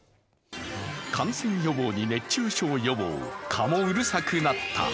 感染予防に熱中症予防、蚊もうるさくなった。